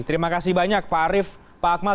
terima kasih banyak pak arief pak akmal